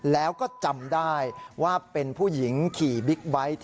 แล้วก็จำได้ว่าเป็นผู้หญิงขี่บิ๊กไบท์